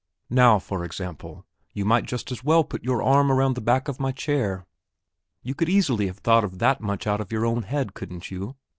Now, for example, you might just as well put your arm over the back of my chair; you could easily have thought of that much out of your own head, couldn't you?